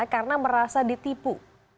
karena merasa ditipu